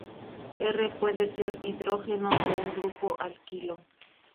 R puede ser hidrógeno o un grupo alquilo.